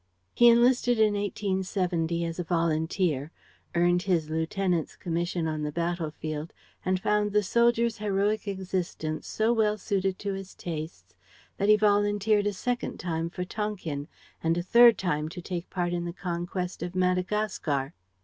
He enlisted in 1870 as a volunteer, earned his lieutenant's commission on the battlefield and found the soldier's heroic existence so well suited to his tastes that he volunteered a second time for Tonkin, and a third to take part in the conquest of Madagascar.